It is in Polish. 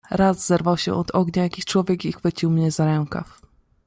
"Raz zerwał się od ognia jakiś człowiek i chwycił mnie za rękaw."